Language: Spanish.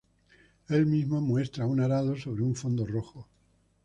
El mismo muestra un arado sobre un fondo rojo.